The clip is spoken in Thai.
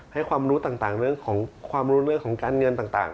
ให้ความรู้ต่างเรื่องของความรู้เรื่องของการเงินต่าง